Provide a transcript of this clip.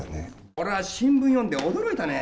俺は新聞読んで驚いたね。